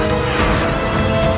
saya harus mencari pertambahan